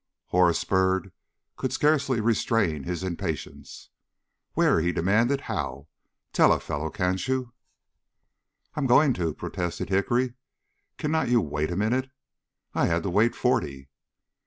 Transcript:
Horace Byrd could scarcely restrain his impatience. "Where?" he demanded. "How? Tell a fellow, can't you?" "I am going to," protested Hickory. "Cannot you wait a minute? I had to wait forty.